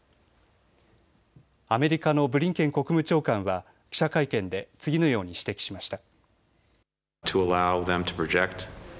アメリカのブリンケン国務長官は記者会見で次のように指摘しました。